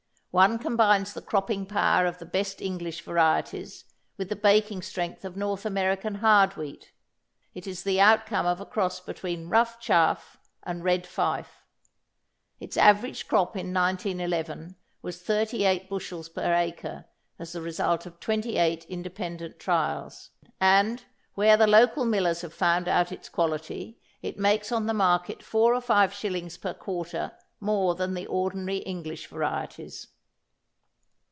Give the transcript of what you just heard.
One combines the cropping power of the best English varieties with the baking strength of North American hard wheat. It is the outcome of a cross between Rough Chaff and Red Fife. Its average crop in 1911 was 38 bushels per acre as the result of 28 independent trials, and, where the local millers have found out its quality, it makes on the market four or five shillings per quarter more than the ordinary English varieties.